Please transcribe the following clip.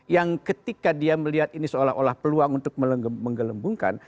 yang ketika dia melihat ini seolah olah peluang untuk menggelembungkan